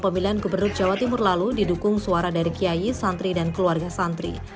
pemilihan gubernur jawa timur lalu didukung suara dari kiai santri dan keluarga santri